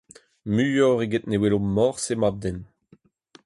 Muioc’h eget ne welo morse mab-den.